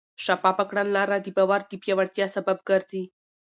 شفافه کړنلاره د باور د پیاوړتیا سبب ګرځي.